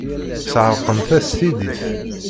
Sɛerqent-as tiddit.